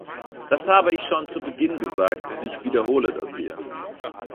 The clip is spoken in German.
Das habe ich schon zu Beginn gesagt, und ich wiederhole das hier.